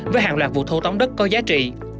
với hàng loạt vụ thâu tóm đất có giá trị